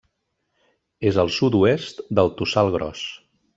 És al sud-oest del Tossal Gros.